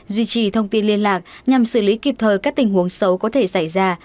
duy trì thông tin liên lạc nhằm xử lý kịp thời các tình huống xấu có thể xảy ra